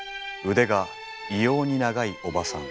腕が異様に長いおばさん。